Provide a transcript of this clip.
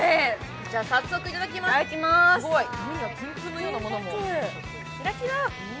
早速いただきましょう。